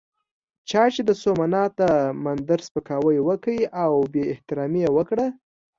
چا چې د سومنات د مندر سپکاوی وکړ او بې احترامي یې وکړه.